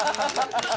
ハハハハ！